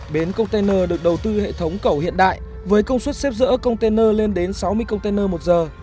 bến container được đầu tư hệ thống cầu hiện đại với công suất xếp rỡ container lên đến sáu mươi container một giờ